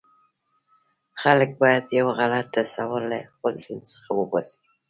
خلک باید یو غلط تصور له خپل ذهن څخه وباسي.